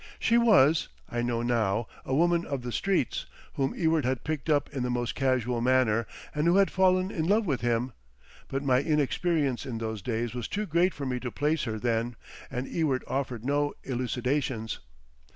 She was, I know now, a woman of the streets, whom Ewart had picked up in the most casual manner, and who had fallen in love with him, but my inexperience in those days was too great for me to place her then, and Ewart offered no elucidations.